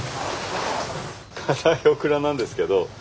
固いオクラなんですけど。